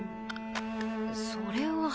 それは。